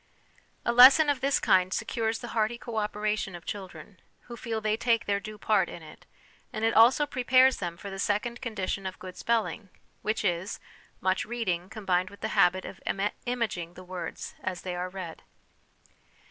A lesson of this kind secures the hearty co operation of children, who feel they take their due part in it ; and it also prepares them for the second condition of good spelling, which is much reading combined with the habit of imaging the words as they are read.